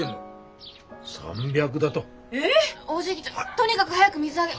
とにかく早く水揚げ！